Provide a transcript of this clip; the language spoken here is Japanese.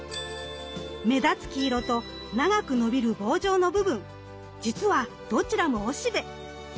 目立つ黄色と長く伸びる棒状の部分実はどちらもおしべ。